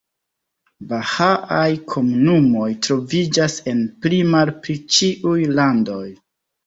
Bahaaj komunumoj troviĝas en pli-malpli ĉiuj landoj.